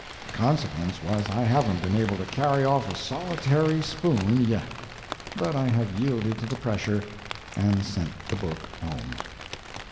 The consequence was I haven't been able to carry off a solitary spoon yet. But I have yielded to the pressure, and sent the book home.